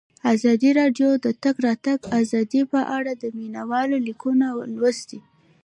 ازادي راډیو د د تګ راتګ ازادي په اړه د مینه والو لیکونه لوستي.